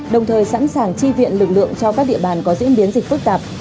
đồng thời sẵn sàng chi viện lực lượng cho các địa bàn có diễn biến dịch phức tạp